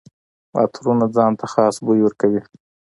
عطرونه ځان ته خاص بوی ورکوي.